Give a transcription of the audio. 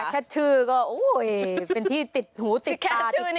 แค่ชื่อก็ปิ่งที่หูติดตาติดใจแล้วเนี่ย